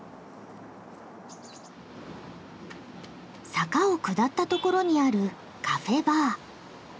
坂を下った所にあるカフェ・バー。